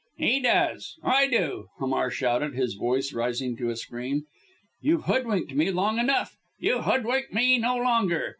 "He does I do!" Hamar shouted his voice rising to a scream. "You've hoodwinked me long enough you hoodwink me no longer.